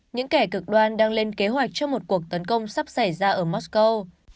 những kẻ cực đoan đang lên kế hoạch cho một cuộc tấn công sắp xảy ra ở moscow